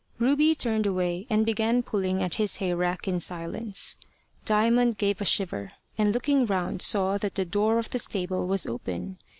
Ruby turned away, and began pulling at his hayrack in silence. Diamond gave a shiver, and looking round saw that the door of the stable was open.